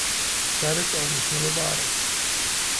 სარეწაო მნიშვნელობა არ აქვს.